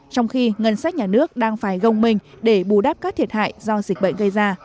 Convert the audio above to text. trong khi ngân sách nhà nước đang phải gông minh để bù đắp các thiệt hại do dịch bệnh gây ra